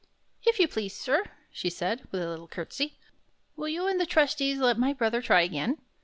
"If you please, sir," she said, with a little courtesy, "will you and the trustees let my brother try again?